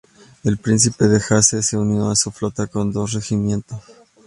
El príncipe de Hesse se unió a su flota con dos regimientos.